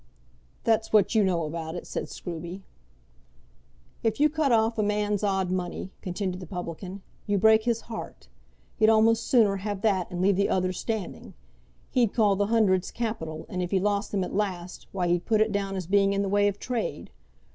"That's what you know about it," said Scruby. "If you cut off a man's odd money," continued the publican, "you break his heart. He'd almost sooner have that and leave the other standing. He'd call the hundreds capital, and if he lost them at last, why he'd put it down as being in the way of trade.